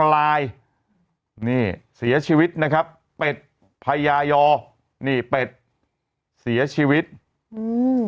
ลายนี่เสียชีวิตนะครับเป็ดพญายอนี่เป็ดเสียชีวิตอืม